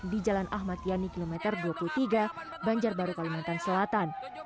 di jalan ahmad yani kilometer dua puluh tiga banjarbaru kalimantan selatan